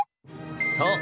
そう。